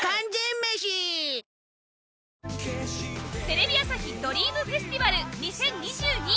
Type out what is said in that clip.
テレビ朝日ドリームフェスティバル２０２２。